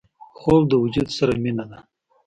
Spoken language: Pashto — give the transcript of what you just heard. خوب د وجود سره مینه ده